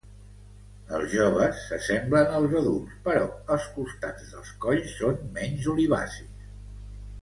Els joves s'assemblen als adults, però els costats dels colls són menys olivacis.